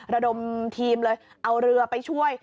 ระดมทีมเลยเอาเรือไปช่วย